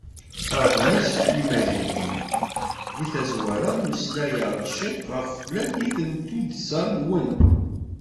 Aɣmis n yimaziɣen: Deg tazwara, mmeslaɣ-d ciṭ ɣef tlalit n tuddsa-nwen.